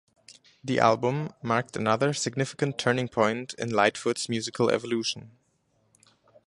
The album marked another significant turning point in Lightfoot's musical evolution.